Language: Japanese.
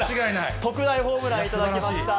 特大ホームランいただきました。